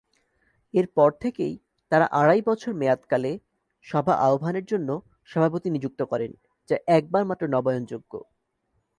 এরপর থেকেই তারা আড়াই বছর মেয়াদকালে সভা আহ্বানের জন্য সভাপতি নিযুক্ত করেন যা একবার মাত্র নবায়ণযোগ্য।